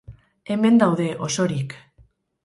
Hemen daude, osorik.